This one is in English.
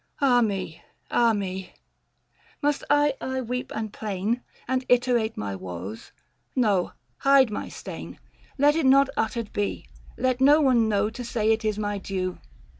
Ah me, ah me ! Must I aye weep and plain, And iterate my woes ? No ; hide my stain — 530 Let it not uttered be : let no one know, To say it is my due.